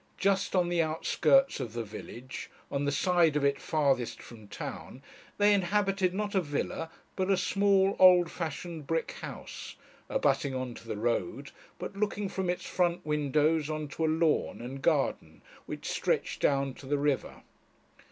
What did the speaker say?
Just on the outskirts of the village, on the side of it farthest from town, they inhabited not a villa, but a small old fashioned brick house, abutting on to the road, but looking from its front windows on to a lawn and garden, which stretched down to the river.